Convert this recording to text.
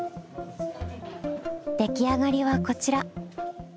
出来上がりはこちら。